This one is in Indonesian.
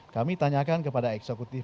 kami tanyakan kepada eksekutif